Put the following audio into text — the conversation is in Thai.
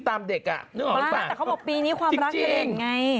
รักแดงไง